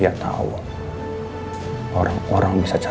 ia akan membuatmu hidup yang lebih lelah